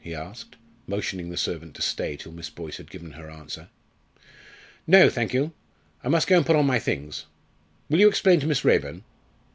he asked, motioning the servant to stay till Miss Boyce had given her answer. "No, thank you. I must go and put on my things. Will you explain to Miss Raeburn?"